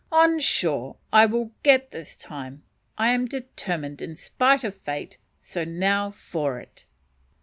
On shore I will get this time, I am determined, in spite of fate so now for it.